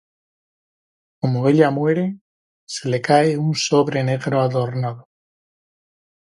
Como ella muere, se le cae un sobre negro adornado.